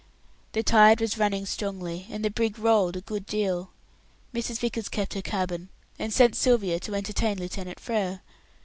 The tide was running strongly, and the brig rolled a good deal. Mrs. Vickers kept to her cabin, and sent Sylvia to entertain Lieutenant Frere.